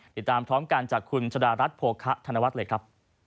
ติดตามพร้อมกันจากคุณชะดารัฐโภคะธนวัฒน์เลยครับ